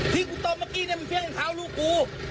ที่กูตบเมื่อกี้เนี่ยมึงเพี้ยงกันเท้าลูกกู